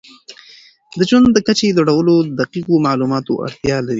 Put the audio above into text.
د ژوند د کچې لوړول دقیقو معلوماتو ته اړتیا لري.